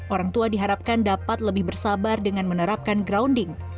orang tua diharapkan dapat lebih bersabar dengan menerapkan grounding